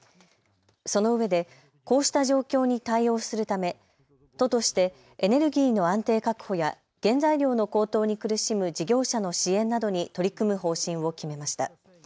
そのうえでこうした状況に対応するため都としてエネルギーの安定確保や原材料の高騰に苦しむ事業者の支援などに取り組む方針を決めました。